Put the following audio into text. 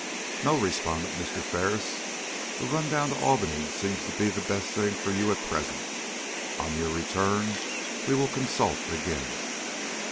"No," responded Mr. Ferris. "A run down to Albany seems to be the best thing for you at present. On your return we will consult again."